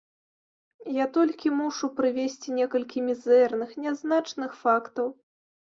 Я толькі мушу прывесці некалькі мізэрных, нязначных фактаў.